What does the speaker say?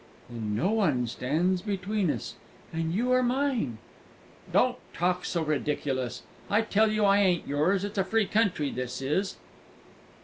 "Then no one stands between us, and you are mine!" "Don't talk so ridiculous! I tell you I ain't yours it's a free country, this is!"